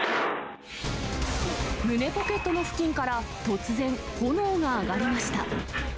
胸ポケットの付近から突然、炎が上がりました。